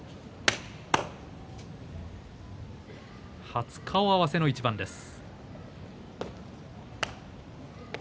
初顔合わせの一番です。